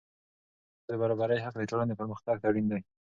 ښځو ته د برابرۍ حق د ټولنې پرمختګ ته اړین دی.